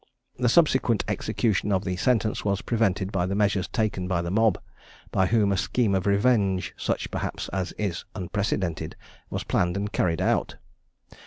The subsequent execution of the sentence was prevented by the measures taken by the mob, by whom a scheme of revenge such perhaps as is unprecedented, was planned and carried out.